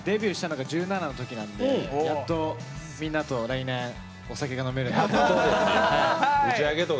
デビューしたのが１７のときなんでやっと、みんなと来年お酒が飲める。